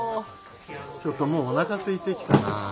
ちょっともうおなかすいてきたな。